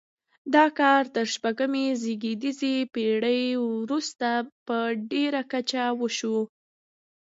دا کار تر شپږمې زېږدیزې پیړۍ وروسته په ډیره کچه وشو.